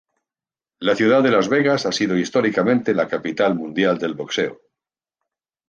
La ciudad de Las Vegas ha sido históricamente la capital mundial del boxeo.